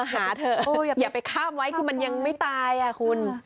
หาเถอะอย่าไปข้ามไว้คือมันยังไม่ตายอ่ะคุณ